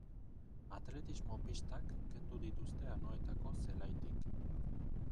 Atletismo-pistak kendu dituzte Anoetako zelaitik.